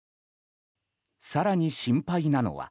更に心配なのは。